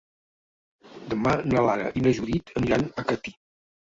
Demà na Lara i na Judit aniran a Catí.